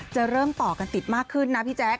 จะเริ่มต่อกันติดมากขึ้นนะพี่แจ๊ค